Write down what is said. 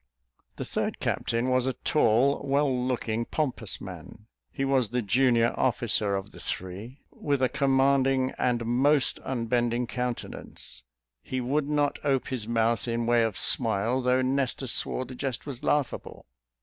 The third captain was a tall, well looking, pompous man (he was the junior officer of the three), with a commanding and most unbending countenance: "He would not ope his mouth in way of smile, though Nestor swore the jest was laughable."